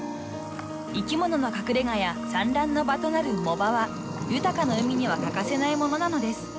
［生き物の隠れ家や産卵の場となる藻場は豊かな海には欠かせないものなのです］